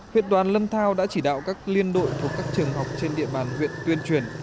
huyện đoàn lâm thao đã chỉ đạo các liên đội thuộc các trường học trên địa bàn huyện tuyên truyền